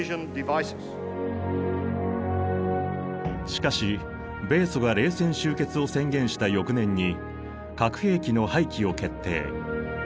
しかし米ソが冷戦終結を宣言した翌年に核兵器の廃棄を決定。